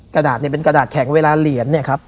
กระดาษเนี่ยเป็นกระดาษแข็งเวลาเหรียญเนี่ยครับ